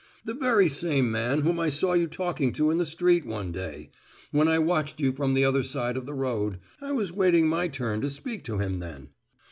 "The very same man whom I saw you talking to in the street one day; when I watched you from the other side of the road, I was waiting my turn to speak to him then.